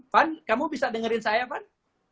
van kamu bisa dengerin saya van